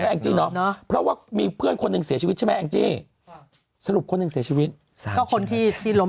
เอาเนอะเพราะว่ามีเพื่อนคนนึงเสียชีวิตชะมันก็คนที่ล้ม